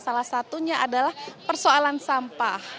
salah satunya adalah persoalan sampah